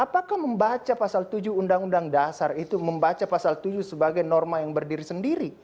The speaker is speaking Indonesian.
apakah membaca pasal tujuh undang undang dasar itu membaca pasal tujuh sebagai norma yang berdiri sendiri